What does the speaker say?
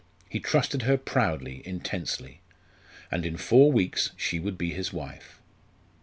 He trusted her proudly, intensely; and in four weeks she would be his wife.